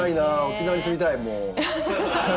沖縄に住みたいもう。